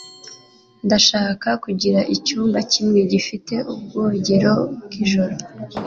Ndashaka kugira icyumba kimwe gifite ubwogero bwijoro